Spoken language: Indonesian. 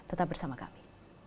tetap bersama kami